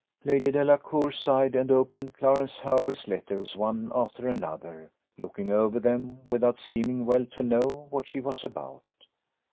Lady Delacour sighed, and opened Clarence Hervey's letters one after another, looking over them without seeming well to know what she was about.